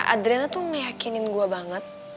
adriana tuh meyakinin gua banget